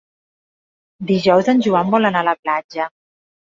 Dijous en Joan vol anar a la platja.